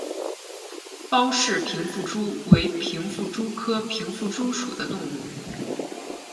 包氏平腹蛛为平腹蛛科平腹蛛属的动物。